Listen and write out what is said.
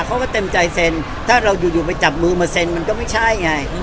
เขาก็เต็มใจเซ็นถ้าเราอยู่ไปจับมือมาเซ็นมันก็ไม่ใช่ไง